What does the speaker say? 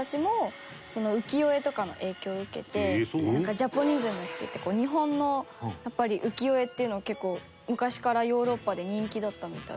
ジャポニズムっていって日本のやっぱり浮世絵っていうの結構昔からヨーロッパで人気だったみたい。